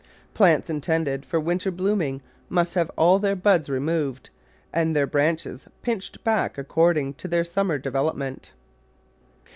Plants intended for winter blooming must have all their buds removed and their branches pinched back according to their summer development.